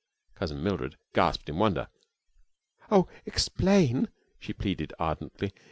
Cousin Mildred gasped in wonder. "Oh, explain," she pleaded, ardently.